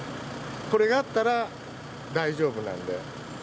これがあったら大丈夫なんで。